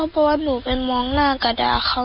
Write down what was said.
เพราะว่าหนูไปมองหน้ากระดาเขา